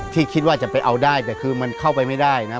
คิดว่าจะไปเอาได้แต่คือมันเข้าไปไม่ได้นะ